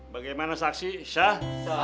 bagaimana saksi syah